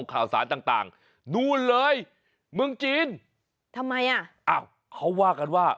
ที่ไม่ใช่วัตถุที่บินได้